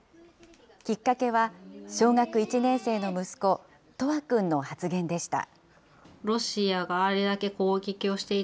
きっかけは、小学１年生の息子、叶和君の発言でした。